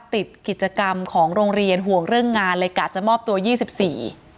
ติดกิจกรรมของโรงเรียนห่วงเรื่องงานเลยกะจะมอบตัวยี่สิบสี่